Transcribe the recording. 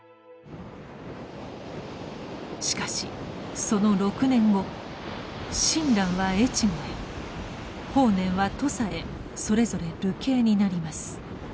しかしその６年後親鸞は越後へ法然は土佐へそれぞれ流刑になります。